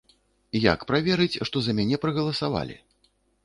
Як праверыць, што за мяне прагаласавалі?